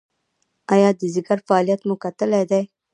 ایا د ځیګر فعالیت مو کتلی دی؟